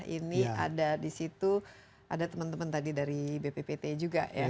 ini ada di situ ada teman teman tadi dari bppt juga ya